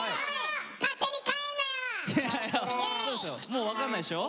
もう分かんないでしょ？